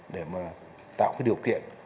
để mà tạo cái điều kiện